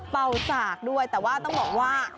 เป่าสากด้วยแต่ว่าต้องบอกว่า